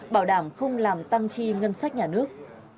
bảo đảm không làm tăng chi ngân sách nhà nước